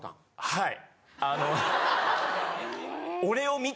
はい。